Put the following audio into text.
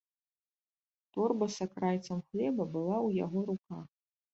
Торба з акрайцам хлеба была ў яго руках.